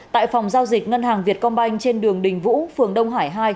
tại phòng giao dịch ngân hàng việt công banh trên đường đình vũ phường đông hải hai